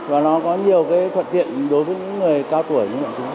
và nó có nhiều thuận tiện đối với những người cao tuổi